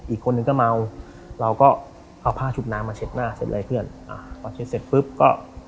อีกคนนึงก็เมาเราก็เอาผ้าชุบน้ำมาเช็ดหน้าเช็ดอะไรเพื่อนอ่าพอเช็ดเสร็จปุ๊บก็